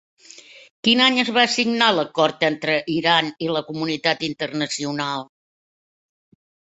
Quin any es va signar l'acord entre Iran i la comunitat internacional?